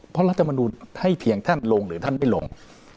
เพราะรัฐมนุนให้เพียงท่านลงหรือท่านไม่ลง